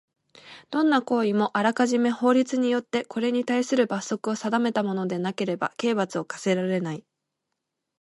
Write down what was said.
どんな行為もあらかじめ法律によってこれにたいする罰則を定めたものでなければ刑罰を科せられない。